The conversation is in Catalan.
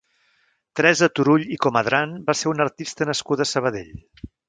Teresa Turull i Comadran va ser una artista nascuda a Sabadell.